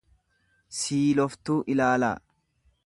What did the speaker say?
siiloftuu ilaalaa.